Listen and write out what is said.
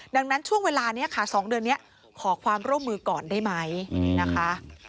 ดังนั้นช่วงเวลานี้ค่ะ๒เดือนนี้ขอความร่วมมือก่อนได้ไหมนะคะ